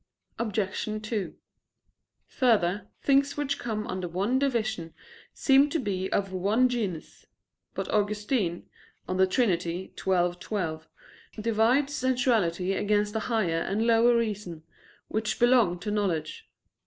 Obj. 2: Further, things which come under one division seem to be of one genus. But Augustine (De Trin. xii, 12) divides sensuality against the higher and lower reason, which belong to knowledge.